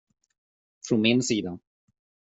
Från min sida.